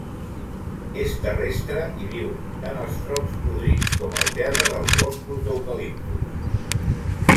És terrestre i viu tant als troncs podrits com al terra dels boscos d'eucaliptus.